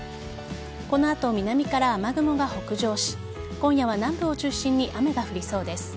この後、南から雨雲が北上し今夜は南部を中心に雨が降りそうです。